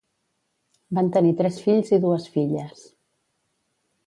Van tenir tres fills i dues filles.